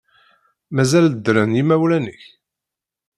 Mazal ddren yimawlen-ik?